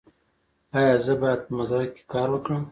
ایا زه باید په مزرعه کې کار وکړم؟